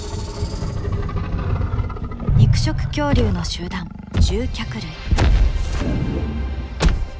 肉食恐竜の集団獣脚類。